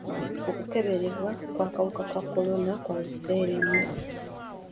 Okukebererwa kw'akawuka ka kolona kwa buseere nnyo.